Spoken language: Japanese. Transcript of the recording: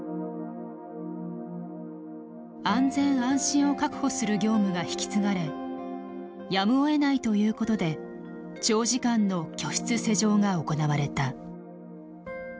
「安全・安心を確保する業務が引き継がれやむをえないということで長時間の居室施錠が行われた」。